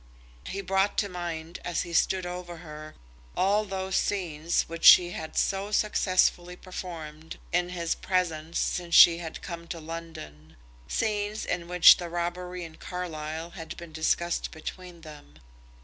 He brought to mind, as he stood over her, all those scenes which she had so successfully performed in his presence since she had come to London, scenes in which the robbery in Carlisle had been discussed between them.